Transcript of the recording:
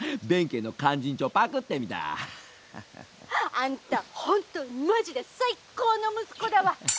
「あんた本当マジで最高の息子だわ！